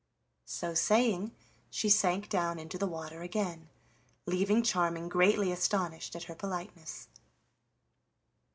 So saying, she sank down into the water again, leaving Charming greatly astonished at her politeness.